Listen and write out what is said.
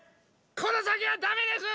この先はダメです！